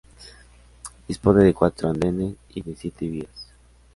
Dispone de cuatro andenes y de siete vías.